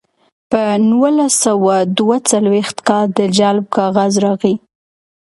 په نولس سوه دوه څلویښت کال د جلب کاغذ راغی